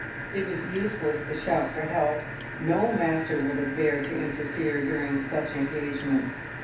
It was useless to shout for help ; no master would have dared to interfere during such engagements.